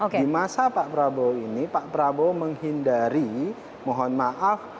di masa pak prabowo ini pak prabowo menghindari mohon maaf